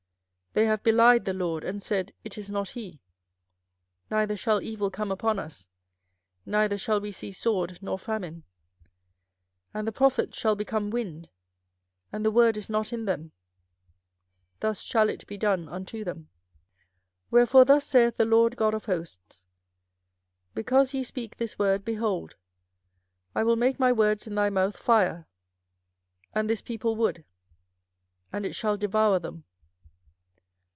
24:005:012 They have belied the LORD, and said, It is not he; neither shall evil come upon us; neither shall we see sword nor famine: 24:005:013 And the prophets shall become wind, and the word is not in them: thus shall it be done unto them. 24:005:014 Wherefore thus saith the LORD God of hosts, Because ye speak this word, behold, I will make my words in thy mouth fire, and this people wood, and it shall devour them.